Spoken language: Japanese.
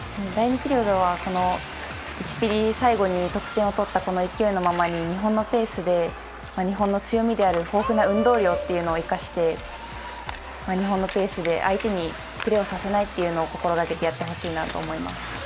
第２ピリオドは、１ピリ最後に得点を取った勢いそのままに、日本のペースで日本の強みである豊富な運動量を生かして生かして日本のペースで相手にプレーさせないのを心がけてやってほしいなと思います。